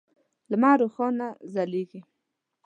لمر روښانه ځلیږی